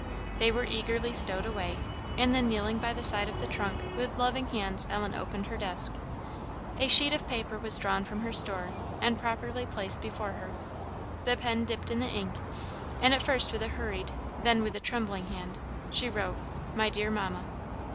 They were eagerly stowed away; and then kneeling by the side of the trunk, with loving hands Ellen opened her desk. A sheet of paper was drawn from her store, and properly placed before her; the pen dipped in the ink, and at first with a hurried, then with a trembling hand, she wrote, "My dear Mamma."